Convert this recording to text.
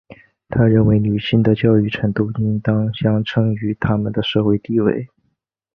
她认为女性的教育程度应当相称于她们的社会地位。